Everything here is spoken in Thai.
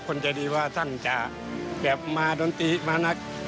คนใจดีว่าท่านจะแบบมาดนตรีมานัก